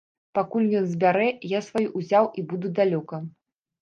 Пакуль ён збярэ, я сваё ўзяў і буду далёка!